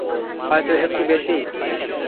হয়তো একটু বেশিই।